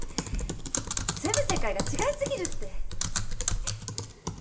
住む世界が違いすぎるって。